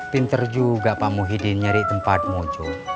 pinter juga pak muhyiddin nyari tempat muncul